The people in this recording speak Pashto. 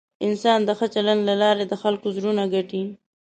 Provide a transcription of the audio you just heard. انسان د ښه چلند له لارې د خلکو زړونه ګټي.